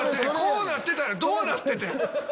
こうなってたらどうなっててん！